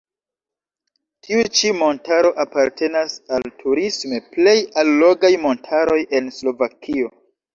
Tiu ĉi montaro apartenas al turisme plej allogaj montaroj en Slovakio.